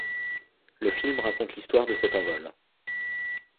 Le film raconte l'histoire de cet envol.